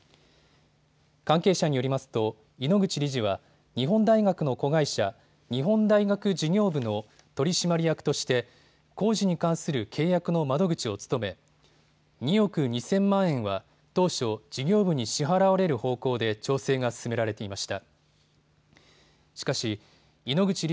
関係者によりますと井ノ口理事は日本大学の子会社、日本大学事業部の取締役として工事に関する契約の窓口を務め２億２０００万円は当初、事業部に支払われる方向で調整が進められていました。